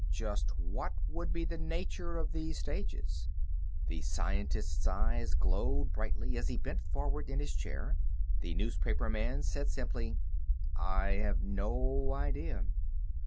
Just what would be the nature of these stages?" The scientist's eyes glowed brightly as he bent forward in his chair. The newspaperman said simply: "I have no idea."